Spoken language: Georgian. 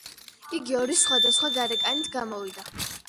იგი ორი სხვადასხვა გარეკანით გამოვიდა.